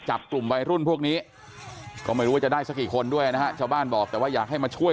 จับกลุ่มใบรุ่นนี้เฉวงไม่รู้ว่าจะได้สักกว่าคนด้วยชาวบ้านบอกแต่อยากให้มาช่วย